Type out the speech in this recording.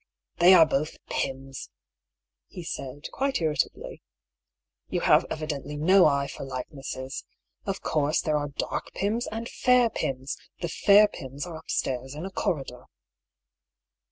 " They are both Pyms !" he said, quite irritably. " You have evidently no eye for likenesses. Of course, there are dark Pyms and fair Pyms. The fair Pyms are upstairs in a corridor."